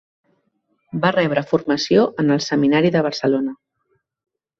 Va rebre formació en el Seminari de Barcelona.